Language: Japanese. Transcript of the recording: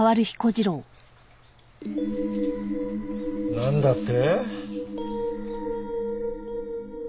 なんだって！